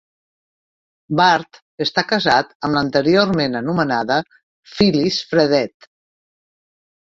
Bart està casat amb l'anteriorment anomenada Phyllis Fredette.